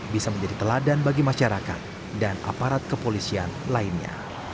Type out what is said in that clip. bisa menjadi teladan bagi masyarakat dan aparat kepolisian lainnya